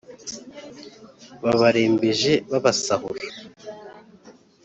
Babarembeje babasahura